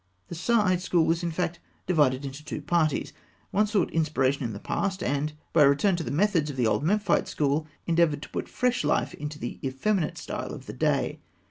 The Saïte school was, in fact, divided into two parties. One sought inspiration in the past, and, by a return to the methods of the old Memphite school, endeavoured to put fresh life into the effeminate style of the day.